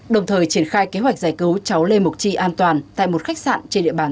đồng thời triển khai kế hoạch giải cứu cháu lê mộc chi an toàn tại một khách sạn trên địa bàn